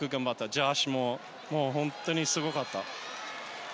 ジョシュも本当にすごかった。